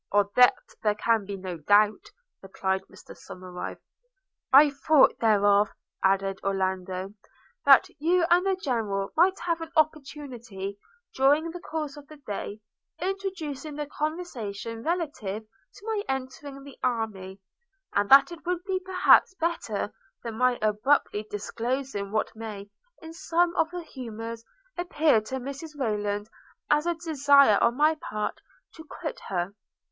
'Of that there can be no doubt,' replied Mr Somerive. 'I thought, therefore,' added Orlando, 'that you and the General might have an opportunity, during the course of the day, of introducing the conversation relative to my entering the army; and that it would be perhaps better than my abruptly disclosing what may, in some of her humours, appear to Mrs Rayland as a desire on my part to quit her.'